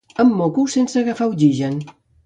Em moco sense agafar oxigen.